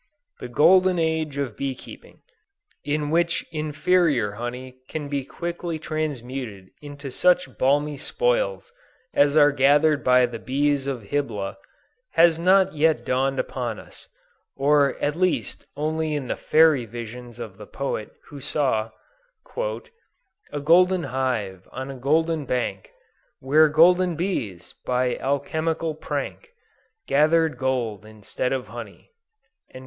"The Golden Age" of bee keeping, in which inferior honey can be quickly transmuted into such balmy spoils as are gathered by the bees of Hybla, has not yet dawned upon us; or at least only in the fairy visions of the poet who saw "A golden hive, on a Golden Bank, Where golden bees, by alchemical prank, Gathered Gold instead of Honey."